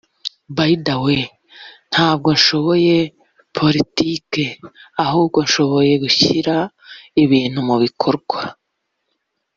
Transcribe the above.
By the way; ntabwo nshoboye politike ahubwo nshoboye gushyira ibintu mu bikorwa